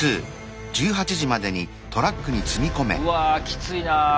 うわきついな。